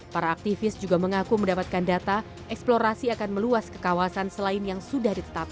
para aktivis juga mengaku mendapatkan data eksplorasi akan meluas ke kawasan selain yang sudah ditetapkan